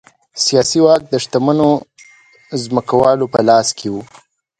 سیاسي واک د شتمنو ځمکوالو په لاس کې و